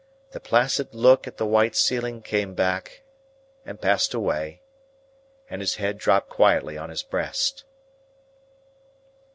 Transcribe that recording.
The placid look at the white ceiling came back, and passed away, and his head dropped quietly on his breast.